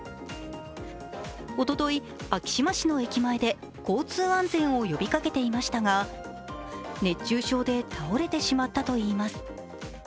おととい、昭島市の駅前で交通安全を呼びかけていましたが熱中症で倒れてしまったといいます。